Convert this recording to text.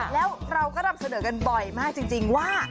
แล้วเราก็นำเสนอกันบ่อยมากจริงว่า